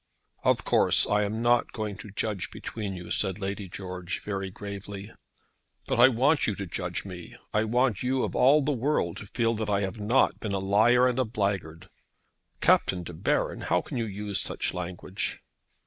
"Of course I am not going to judge between you," said Lady George, very gravely. "But I want you to judge me. I want you of all the world to feel that I have not been a liar and a blackguard." "Captain De Baron! how can you use such language?"